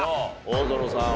大園さん